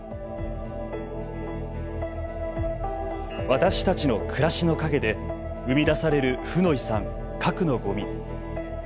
私たちの暮らしの陰で生み出される負の遺産、核のごみ。